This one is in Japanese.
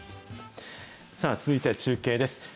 さあ、続いては中継です。